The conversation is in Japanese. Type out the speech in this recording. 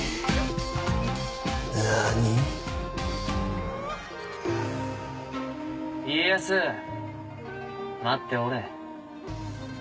何⁉家康待っておれ。